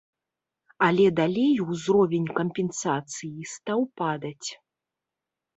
Але далей ўзровень кампенсацыі стаў падаць.